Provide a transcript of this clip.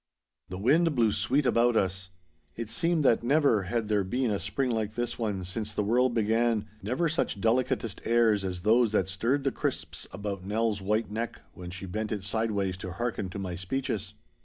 The wind blew sweet about us. It seemed that never had there been a spring like this one since the world began, never such delicatest airs as those that stirred the crisps about Nell's white neck when she bent it sideways to hearken to my speeches.